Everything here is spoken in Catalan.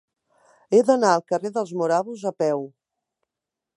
He d'anar al carrer dels Morabos a peu.